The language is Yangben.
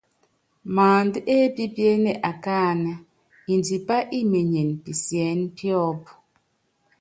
Maándá épípíéné akáánɛ́, índipá imenyene pisiɛ́nɛ píɔ́pú.